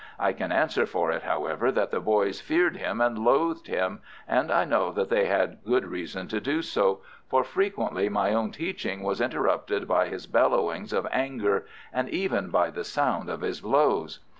I can answer for it, however, that the boys feared him and loathed him, and I know that they had good reason to do so, for frequently my own teaching was interrupted by his bellowings of anger, and even by the sound of his blows.